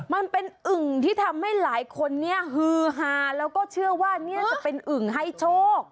มันเป็นอึงที่ทำให้หลายคนฮือหาแล้วก็เชื่อว่าจะเป็นอึงไฮโชค